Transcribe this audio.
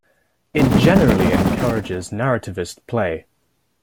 It generally encourages narrativist play.